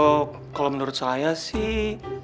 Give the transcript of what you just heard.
oh kalo menurut saya sih